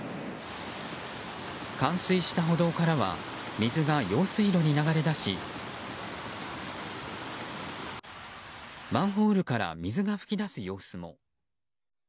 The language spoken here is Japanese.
冠水した歩道からは水が用水路に流れ出しマンホールから水が噴き出す様子も。